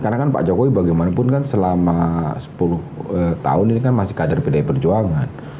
karena kan pak jokowi bagaimanapun kan selama sepuluh tahun ini kan masih kader pede perjuangan